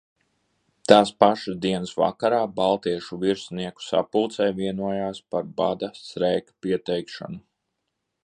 Tās pašas dienas vakarā baltiešu virsnieku sapulcē vienojās par bada streika pieteikšanu.